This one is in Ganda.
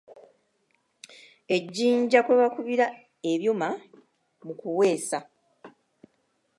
Ejjinja kwe bakubira ebyuma mu kuweesa.